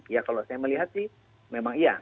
ya kalau saya melihat sih memang iya